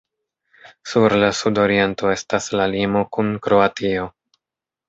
Sur la sudoriento estas la limo kun Kroatio.